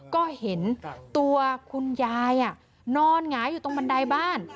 ก็เห็นตัวคุณยายนอนหงายอยู่ตรงบันไดบ้าน